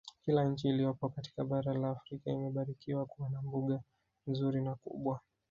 Kila nchi iliyopo katika bara la Afrika imebarikiwa kuwa na mbuga nzuri na kubwa